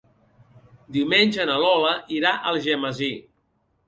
Diumenge na Lola irà a Algemesí.